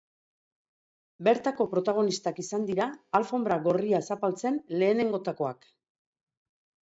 Bertako protagonistak izan dira alfonbra gorria zapaltzen lehenengotakoak.